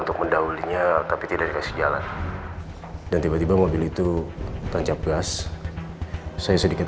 untuk mendahulunya tapi tidak dikasih jalan dan tiba tiba mobil itu tercapai saya sedikit